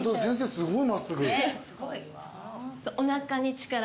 すごい真っすぐ。